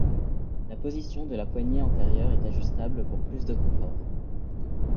La position de la poignée antérieure est ajustable pour plus de confort.